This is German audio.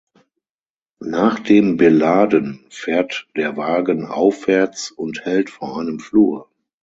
Nach dem Beladen fährt der Wagen aufwärts und hält vor einem Flur.